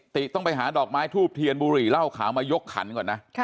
ต้องไปหาดอกไม้ทูบเทียนบุหรี่เหล้าขาวมายกขันก่อนนะ